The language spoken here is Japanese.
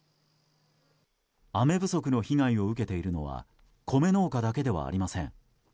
雨不足の被害を受けているのは米農家だけではありません。